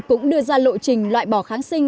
cũng đưa ra lộ trình loại bỏ kháng sinh